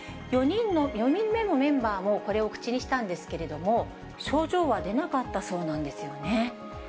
４人目のメンバーも、これを口にしたんですけれども、症状は出なかったそうなんですよね。